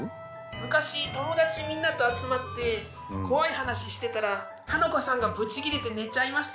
昔友達みんなと集まって怖い話してたらハナコさんがぶち切れて寝ちゃいました。